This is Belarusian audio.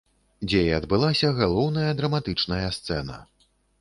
Дзе і адбылася галоўная драматычная сцэна.